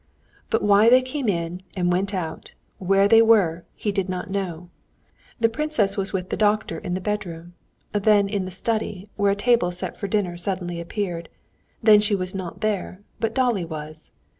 But why they came in and went out, where they were, he did not know. The princess was with the doctor in the bedroom, then in the study, where a table set for dinner suddenly appeared; then she was not there, but Dolly was.